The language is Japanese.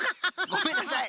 ごめんなさい。